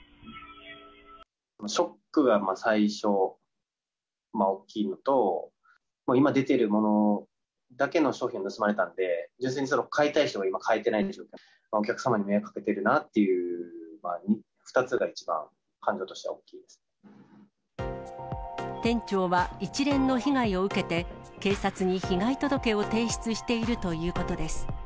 ショックが最初、大きいのと、今出てるものだけの商品が盗まれたので、買いたい人が今、買えない状態、お客様に迷惑かけてるなという２つが一番、店長は一連の被害を受けて、警察に被害届を提出しているということです。